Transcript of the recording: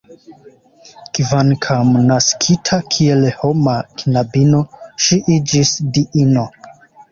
Kvankam naskita kiel homa knabino, ŝi iĝis diino.